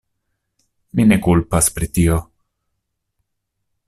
Mi ne kulpas pri tio.